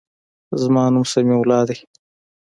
زما نوم سمیع الله دی.